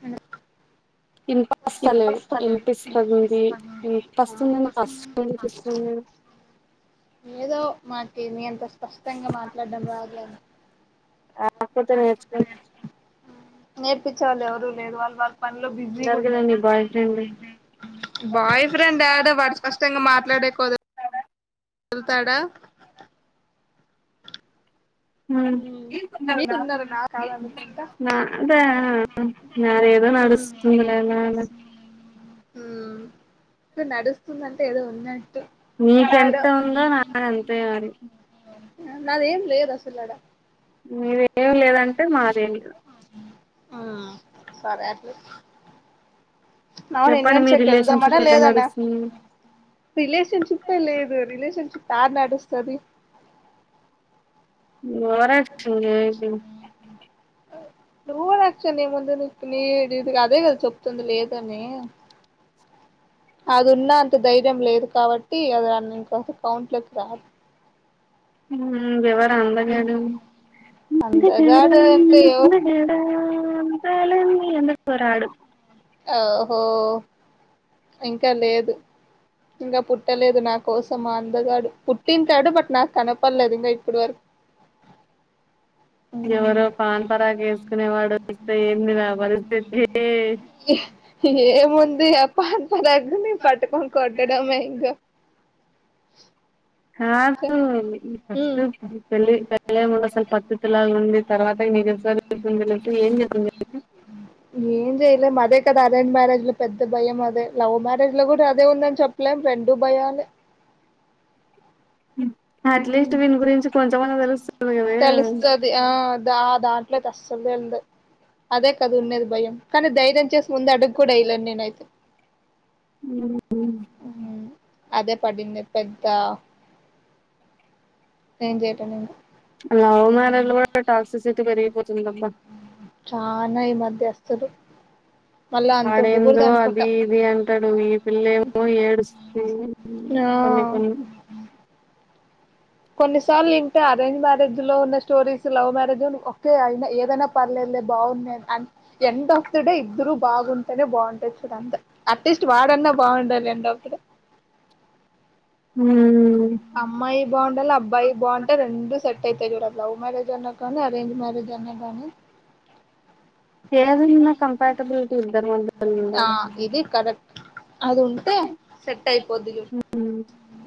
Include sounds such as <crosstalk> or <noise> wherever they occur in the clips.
Hello ఇనిపస్తలేదు ఇనిపిస్తుంది ఇనిపస్తుందని ఫస్ట్ నుంచి ఇస్తుంది ఏదో మాకు మీ అంత స్పష్టంగా మాట్లాడడం రద్దుగానీ కాకపోతే నేర్చుకుంటున్నారు నేర్పిచ్చే వాళ్ళు ఎవరు లేరు వాళ్ళ వాళ్ళ పనులో బిజీగా కదా ఉన్నారు నీ బాయ్ ఫ్రెండ్ బాయ్ ఫ్రెండ్ యాడు వాడు స్పష్టంగా మాట్లాడేకోద్ వెళ్తాడా మ్మ్ హూ మీకున్నారు నాకు కాదనుకుంటా అదా నాది ఏదో మ్మ్ నడుస్తుంది లే అలా అలా హు ఇప్పుడు నడుస్తుందంటే ఏదో ఉన్నట్టు యాడో నీకెంత ఉందో నాకు ఎంత మరి నాదేం లేదు అసలు అడ మీరేమి లేదంటే మాదేం లేదు ఆ సరే అట్ల అయితే అవును చెప్పండి మీ రిలేషన్షిప్ ఎన్వంషాకెల్దామనా ఎట్లా లేదనా నడుస్తుంది రిలేషన్షిప్ ఏ లేదు రిలేషన్షిప్ తార్ నడుస్తది ఓవర్ యాక్షన్ చెయకు ఓవర్ యాక్షన్ ఏం ముందు నీ నీ ఇది నిక్ అదే కదా చెప్తుంది లేదని అది ఉన్న అంత ధైర్యం లేదు కాబట్టి అది ఇంక కౌంట్లెస్ ఎవరు ఆ అందగాడు అందగాడ అందగాడు అంటే ఎవరు అందగాడ అందాలన్నీ అందు కోరా ఆడు ఓహో ఇంకా లేదు ఇంకా పుట్టలేదు నా కోసం మా అందగాడు పుట్టింటాడు బట్ నాక్ కనపడలేదు ఇంకా ఇప్పుడు వరకు ఎవరో పాన్ పారక్ వేసుకునే వాడు వస్తె ఏంది నా పరిస్తితి స్థితి ఏ ముంది ఆ పాన్ పారక్ ని పట్టుకొని కొట్టడంమే ఇంకా కాదు ఫస్ట్ ఉమ్ పెళ్లయ్యే ముందు పత్తితి లాగా ఉండి తర్వాత నిజ స్వరూపం తెలిస్తే ఏం చేస్తాం చెప్పు ఏం చేయలేం అదే కదా అరేంజ్ మ్యారేజ్ లో పెద్ద భయం అదే లవ్ మ్యారేజ్ లో కూడా అదే ఉందని చెప్పలేం రెండు భయాలే అట్లీస్ట్ వీని గురించి కొంచెమన్నా తెలుస్తుంది కదా తెలుస్తది ఆ ఆ దనీ దీంట్లో అసలు తేలదు అదే కద ఉండేది భయం కానీ ధైర్యం చేసి ముందు అడుగు కూడా వెయలేను నేనైతే మ్మ్ అదే పడింది పెద్ద ఏ చేటా నేను లవ్ మ్యారేజ్ లో కూడా టాక్సిసిటీ పెరిగిపోతుంది అబ్బా చానా ఈమధ్య అసలు వాడేందో అది అనుకుంటా ఇది అంటాడు ఈ పిల్ల ఏమో ఏడుస్త కొన్ని ఆ కొన్ని కొన్నిసార్లు ఇంటే అరేంజ్ మ్యారేజ్ లో ఉన్న స్టోరీస్ లవ్ మ్యారేజ్ కే అయినా ఏదైనా పర్లేదులే బాగున్నాయి ఎండ్ ఆఫ్ ద డే ఇద్దరు బాగుంటేనే బాగుంటది చద అంతా అట్లీస్ట్ వాడన్నా బాగుండాలి ఎండ్ ఆఫ్ ద డే మ్మ్ అమ్మాయి బాగుండాలి అబ్బాయి బాగుంటే రెండు సెట్ అయితా చూడ లవ్ మ్యారేజ్ అన్నా కానీ అరేంజ్ మ్యారేజ్ అన్నా కానీ ఏదన్న కంపారిటబిలిటీ ఇద్దరి మధ్య ఆ ఉండాలి ఇది కరెక్ట్ అది ఉంటే సెట్ అయిపోది చూడు ఉమ్.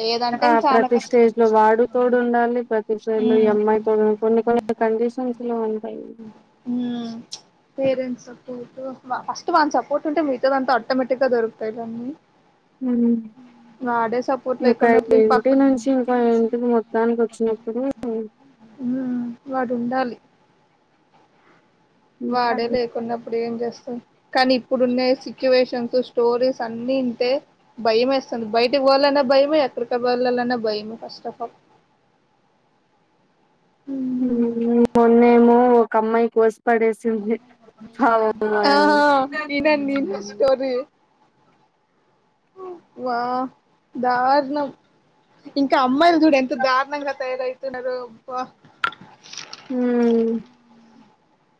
లేదంటే ఇంకా చాలా కష్టం ఇలా వాడు తోడు ఉండాలి ప్రతి స్టేజ్ లో ఈ ఉమ్ అమ్మాయి తోడు కొన్ని కొన్ని కండిషన్స్ లో ఉంటాయి parents support first van support ఉంటే మితదంత ఆటోమేటిక్గా దొరుకుతాయిలె అన్నీ మ్మ్ సపోర్ట్ ఇంక లేకున్నప్పుడు పక్క ఇంటి నుంచి ఇంక ఇంటికి మొత్తానికి వచ్చినప్పుడు ఉమ్ వాడు ఉండాలి వాడే ఉమ్, లేకున్నప్పుడు ఏం చేస్త కానీ ఇప్పుడునే సిచ్యువేషన్స్ స్టోరీస్ అన్ని ఇంటే భయమేస్ అస్సలు బయటికి పోవళ్ల భయమే ఎక్క వెళ్ళానన భయమే ఫస్టిఫుల్ మొన్నేమో ఒక అమ్మాయి కోస పడేసింధీ ఆ ఇనండి ఇన స్టోరీ వా దారుణం ఇంకా అమ్మాయిలు చూడు ఎంత దారుణంగా తయారవుతున్నారు అబ్బా మ్మ్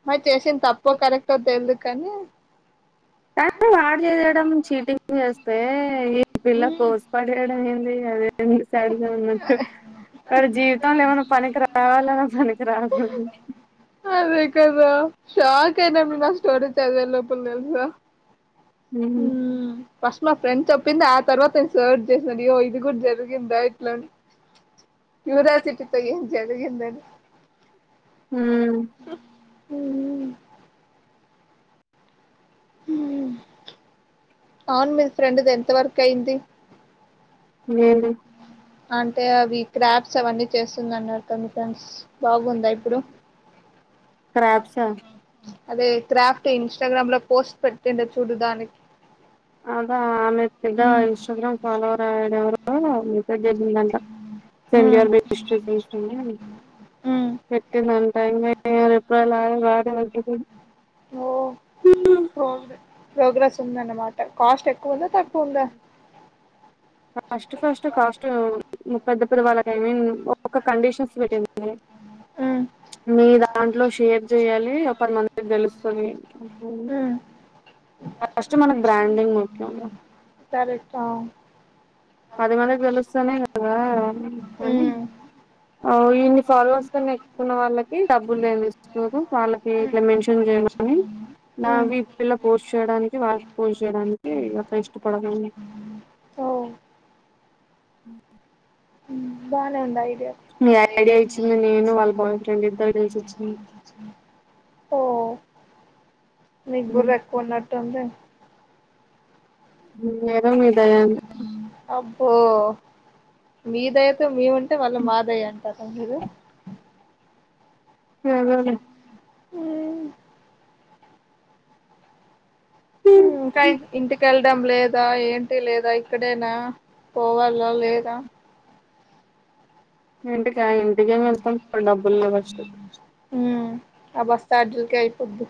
మరి చేసింది తప్పో కరెక్టో తెల్దు కానీ అంటే వాడు చేయడం చీటింగ్ చేస్తే ఈ పిల్ల ఉమ్ కోసి పడేయడం ఏంది అదే సరిగా ఉన్నట్టు వాడు జీవితంలో ఏమన్నా పనికి రావాలన్నా పనికి రాకూడ అదే కదా షాక్ అయినం మేమ ఆ స్టోరీ సదలోపల తెలుసా ఉ ఫస్ట్ మా ఫ్రెండ్ చెప్పింది ఆ తర్వాత నేను సర్వ్ చేస్నా గియో ఇది కూడా జరిగి ఇగా డై ట్ల క్యూరియాసిటీతో ఏం జదిగిందని హమ్ హమ్ అవును మీ ఫ్రెండ్ది ఎంత వర్క్ అయింది నివేంజయు అంటే అవి క్రాప్స్ అవన్నీ చేస్తుంది అన్నారు కద మీ ఫ్రెండ్స్ బాగుందా ఇప్పుడు క్రాబ్స్ ఆ అదే క్రాఫ్ట్ ఇన్స్టాగ్రామ్ లో పోస్ట్ పెట్టిందే చూడు దానికి అదా ఆమె తిద ఇన్స్టగ్రామ్ ఫాలోవర్ ఆవిడేవరో అవున అబ్లు <unintelligible> సంగారు బే <inaudible> టైమైతే ఎప్పు డేలాగా గాడే పలుకుతాడు ఓ ప్రోగ్ర ప్రోగ్రెస్ ఉందన్నమాట cost a cost first cost పెద్ద వాళ్ళకి ఐ మీన్ ఒక కండిషన్స్ పెట్టినా ఉమ్, మీ దాంట్లో షేర్ చేయాలి ఒక పది మందికి తెలుస్తుంది ఉమ్, ఫస్ట్ మనకు బ్రాండింగ్ ముఖ్యంగా సరే చావు పది మందికి తెలుస్తనే కదా ఆ ఎన్నయినై అన్నైనై ఉమ్ ఆ ఇన్ని ఫాలోవర్స్ కన్నా ఎక్కువ ఉన్న వాళ్ళకి డబ్బులుఏమి ఇస్తున్నారు వాళ్ళకి ఇట్లా ఉమ్, మెన్షన్ చేయమని ఉమ్. నవ్విపిల్ల పోస్ట్ చేయడానికి వాటి పూజ చేయడానికి ఈ అక్క ఇష్టపడదు ఓ ఉహు బానే ఉండాయి ఐడియా ఇచ్చింది నేను వాళ్ళ బాయ్ ఫ్రెండ్ ఇద్దరు కలిసి ఇచ్చింది ఓ మీకు బుర్ర ఎక్కువ ఉన్నట్టుంది ఎదో మీ దయ ఓ మీ దయతో మేము వుం అంటే వాళ్ళ మా దయ అంటర మీరు సరేలే హ్మ్ హ్మ్ ఇంకా ఇంటికెల్ వుండడం లేదా ఏంటి లేదా ఇక్కడేనా పోవల్ల లేదా ఇంటికా ఇంటికే వెళ్తాం డబ్బులు లేవు ఫస్ట్ ఉమ్ ఆ బస్ ఛార్జిలకే అయిపోద్ధి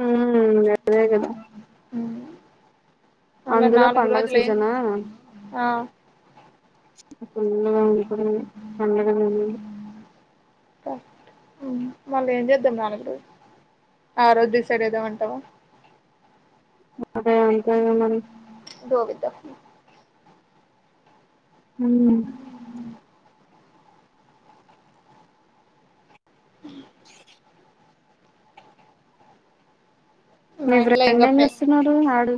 హ్మ్ అదే కదా హ్మ్ అందులో పండగ సీజనా ఆ ఫుల్ గా వుంటున్నాయి పండగ <unintelligible> హ్మ్ మళ్ళీ ఏం చేద్దాం నాలుగు రోజులు ఆ రోజు డిసైడ్ అయిదామంటావా అదే అంతేగా మరి దోవుద్ద హ్మ్ అ మీ మా ఫ్రెండ్ ఏం చేస్తున్నాడు వాడు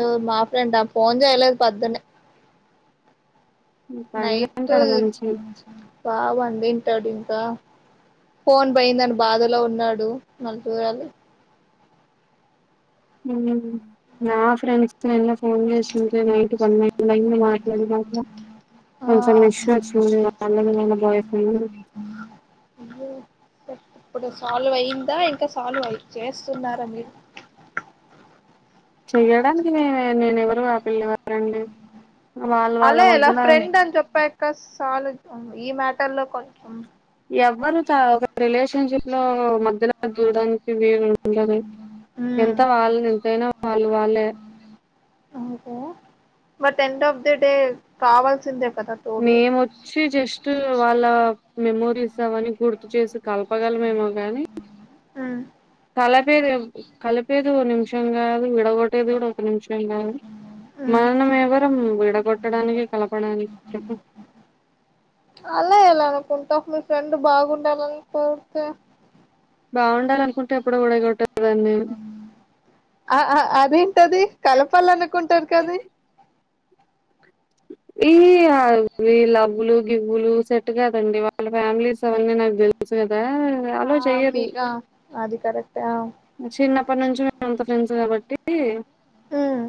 ఓ మా ఫ్రెండా ఫోన్ చెయ్యలేదు పద్దునే నైట్ పడుంటాడు మంచి బాగా పండింది ట్టాడు ఇంకా ఫోన్ పోయిందని బాధలో ఉన్నాడు మరి చూడాలి హ్మ్ నా ఫ్రెండ్స్ తో ఫోన్ చేస్తుంటే నైట్ పన్నెండు అయ్యింది మాట్లాడినక కొంచెం ఆ ఇష్యూ వచ్చింది వాళ్ళకి వాళ్ళ బాయ్ ఫ్రెండ్ ఇప్పుడు సాల్వ్ అయిందా ఇంకా సాల్వ్ అయి చేస్తున్నారా మీరు చెయ్యడానికి నేన నేను ఎవరు ఆ పిల్ల ఎవరు ఎవరండి వాళ్ళ వాళ్ళ అలా ఎలా మధ్యలో ఫ్రెండ్ అని చొప్పక్క సాల ఈ మ్యాటర్ లో కొంచం ఎవ్వరు త ఒక రిలేషన్షిప్ లో మధ్యలో దూరడానికి వీలుఉండదు ఎంత ఉమ్ వాళ్ళ ఎంతైనా వాళ్ళు వాళ్ళే అంతే ఎండ్ ఆఫ్ ది డే కావాల్సిందే కదా తోడు మేమోచ్చి జస్ టు వాళ్ళ మెమోరీస్ అవన్న గుర్తు చేసి కలపగలమేమో గాని ఉమ్ కలపేది కలిపేది ఓ నిమిషం కాదు విడగొట్టేది కూడా ఒక నిమిషం కాదు ఉమ్ మనం ఎవరం విడగొట్టడానికి కలపడానికి చెప్పు అలా ఎలా అనుకుంటావ్ మీ ఫ్రెండ్ బాగుండాలని కొరితే బావుండాలనుకుంటే ఎప్పుడు విడగొట్టేదాన్ని ఆ ఆ అదేంటది కలపాలనుకుంటారు కది నేను. ఈ ఈ కాదు ఈ లవ్ లు గివ్ బ్లూ సెట్ కాదండి వాళ్ళ ఫ్యామిలీస్ అవన్నీ నాకు దేలుసు గాద బ్యావ్ ఆ అలో చేయరు మీకా అది కరెక్టే ఆ చిన్నప్పటి నుంచి మేమంతా ఫ్రెండ్స్ కాబట్టి ఉమ్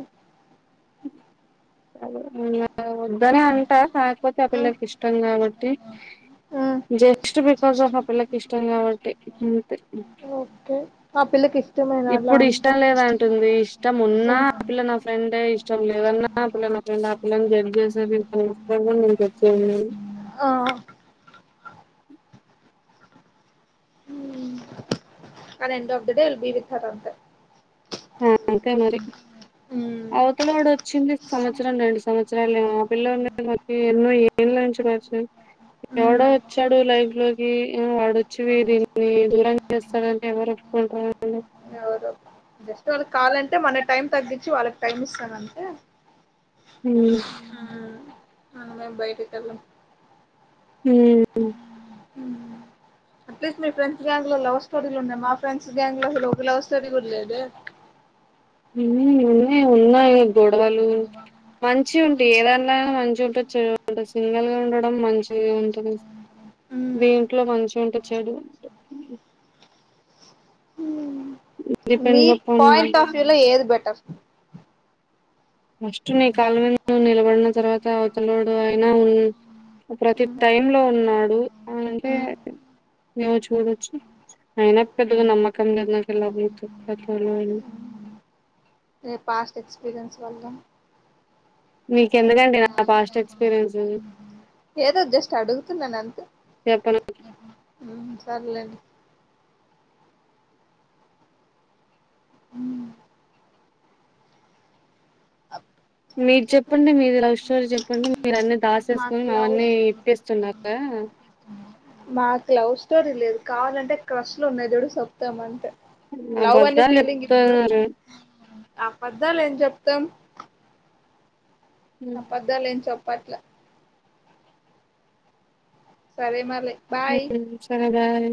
<unintelligible> వద్దనే అంట కాకపోతే ఆ ఉమ్ పిల్లకి ఇష్టం కాబట్టి ఉమ్ జస్ట్ బికాస్ ఆఫ్ ఆ పిల్లకి ఇష్టం కాబట్టి అంతే ఓకే ఆ పిల్లకి ఇష్టమేనా అట్లా ఇప్పుడు ఉంటా ఇష్టం లేదు అంటుంది ఇష్టం ఉన్నా ఆ పిల్ల నా ఫ్రెండే ఇష్టం లేదన్నా ఆ పిల్ల నా ఫ్రెండ్ <unintelligible> ఆ హ ఆ end of the day Al be with her అంతె ఆ అంతే మరి మ్మ్ అవతల వాడు వచ్చింది. సంవత్సరం రెండు సంవత్సరాలు ఆ పిల్లన్నీ మరీ ఎన్నో ఎందులో నుంచి కావచ్చు ఎవడో వచ్చాడు లైఫ్ లోకి ఉ వాడొచ్చివి వీడిని దీన్ని దూరం చేస్తాడంటే ఎవరు నాకు రాధులే జస్ట్ వాళ్ళకి కావాలంటే మన టైం తగ్గించి వాళ్ళకి టైం ఇస్తానంటే హు హ్ అందరం బయటికెళ్ళం హు హ్ అట్లీస్ మీ ఫ్రెండ్స్ గ్యాంగ్స్ లవర్స్ స్టోరీ లు ఉన్నాయి. మా ఫెండ్స్ గ్యాంగ్ లో కూడా ఒక లవ్ స్టోరీ కూడా లేదే ఉంది. ఉన్నాయి ఉన్నాయి గొడవలు మంచి ఉండి. ఏదా న్న మంచి ఉంటే చెడు ఉంటది. సింగిల్ గా ఉండడం మంచిగా ఉంటది. మ్మ్ దీంట్లో మంచి ఉంటది చెడు ఉంటది ఇ మీ depends upon point of view లో ఏది బెటర్ ఫస్ట్ నీ కాల్ల మీద నువ్వు నిలబడిన తర్వాత అవతలోడు అయినా ఉ ప్రతి టైమ్ లో ఉన్నాడు. అనంటే నువు చూడచ్చు అయినా పెద్దగా నమ్మకం లేదు. నాకు వెళ్ళ <unintelligible> మీ పాస్ట్ ఎక్స్పీరియన్స్ లల్ల మీకేందుకండి నా పాస్ట్ ఎక్స్పీరియన్స్ ఏదో జస్ట్ అడుగుతున్నాను అంతే చెప్పను సర్లేండి హ్ మీరు చెప్పండి మీది లవ్ స్టోరీ చెప్పండి. మీరు అన్నీ మాకు దాసేసుకుని లవ్ అవన్నీ ఇప్పేస్తున్నారూ కదా మాకు లవ్ స్టోరీ లేదు కావాలంటే క్రష్లు ఉన్నాయి మీ దడు చెప్తాం అంటే ఆబద్దాలు చెప్తున్నారు ఆబద్దాలు ఏం చెప్తాం హ్మ్. అబద్ధలు ఏం చెప్ పట్లే సరే మారీ బాయ్ హ్మ్. సరే బాయ్